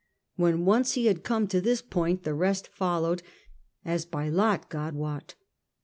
"When once he had come to this point the rest followed, 'as by lot God wot.